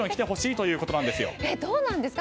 どうなんですか？